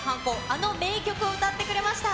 あの名曲を歌ってくれました。